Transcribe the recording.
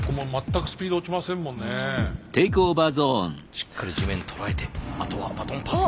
しっかり地面捉えてあとはバトンパス。